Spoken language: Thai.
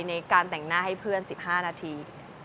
ในการแต่งหน้าให้เพื่อน๑๕นาที